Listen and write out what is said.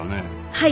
はい。